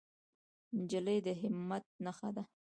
نجلۍ د همت نښه ده.